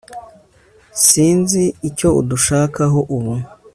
sinzi icyo udushakaho ubu